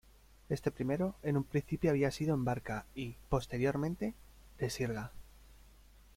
Este primero, en un principio había sido en barca y, posteriormente, de sirga.